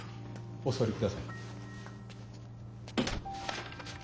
お座りください。